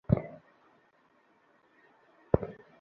আমরা সবাই পিটার।